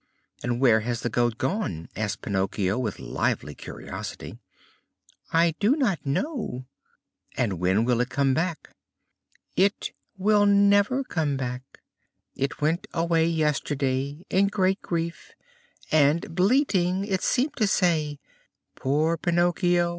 "And where has the goat gone?" asked Pinocchio, with lively curiosity. "I do not know." "And when will it come back?" "It will never come back. It went away yesterday in great grief and, bleating, it seemed to say: 'Poor Pinocchio!